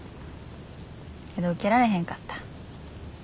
けど受けられへんかった。